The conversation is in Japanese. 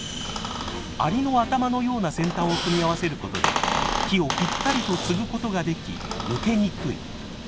蟻の頭のような先端を組み合わせる事で木をぴったりと継ぐ事ができ抜けにくい。